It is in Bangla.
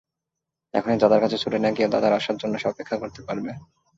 এখনই দাদার কাছে ছুটে না গিয়ে দাদার আসার জন্যে সে অপেক্ষা করতে পারবে।